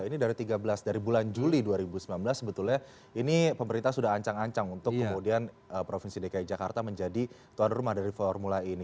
ini dari tiga belas dari bulan juli dua ribu sembilan belas sebetulnya ini pemerintah sudah ancang ancang untuk kemudian provinsi dki jakarta menjadi tuan rumah dari formula e ini